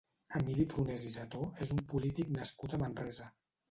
Emili Prunés i Sató és un polític nascut a Manresa.